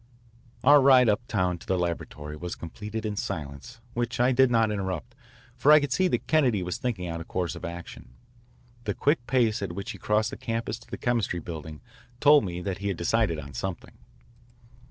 Our ride uptown to the laboratory was completed in silence which I did not interrupt, for I could see that Kennedy was thinking out a course of action. The quick pace at which he crossed the campus to the Chemistry Building told me that he had decided on something.